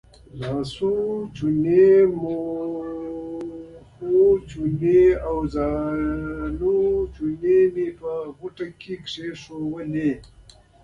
لاسوچونې، مخوچونې او ځانوچونی مې په غوټه کې کېښودل.